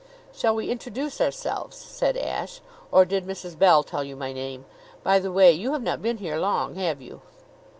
"Shall we introduce ourselves?" said Ashe. "Or did Mrs. Bell tell you my name? By the way, you have not been here long, have you?"